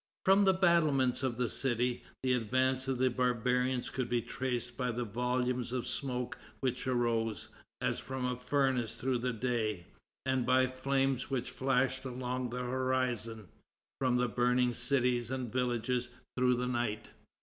From the battlements of the city, the advance of the barbarians could be traced by the volumes of smoke which arose, as from a furnace, through the day, and by the flames which flashed along the horizon, from the burning cities and villages, through the night.